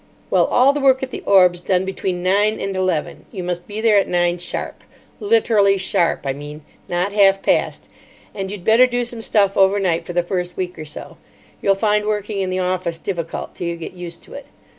"Well, all the work at the Orb's done between nine and eleven. You must be there at nine sharp. Literally sharp, I mean. Not half past. And you'd better do some stuff overnight for the first week or so. You'll find working in the office difficult till you get used to it.